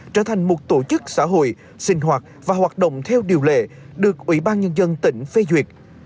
trở thành một tổ chức xã hội sinh hoạt và hoạt động theo điều lệ được ủy ban nhân dân tỉnh phê duyệt